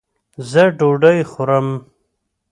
زۀ ډوډۍ خورم